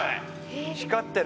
光ってる。